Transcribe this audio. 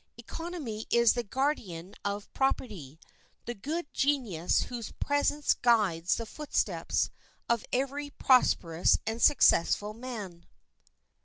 Economy is the guardian of property, the good genius whose presence guides the footsteps of every prosperous and successful man.